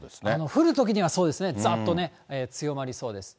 降るときにはそうですね、ざっと強まりそうです。